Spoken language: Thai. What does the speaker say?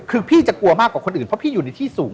คือพี่จะกลัวมากกว่าคนอื่นเพราะพี่อยู่ในที่สูง